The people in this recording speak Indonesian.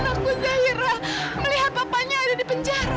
anakku zahira melihat papanya ada di penjara